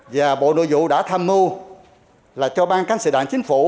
và bộ nội dụ đã tham mưu